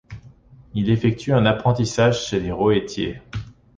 Il effectue un apprentissage chez les Roëttiers.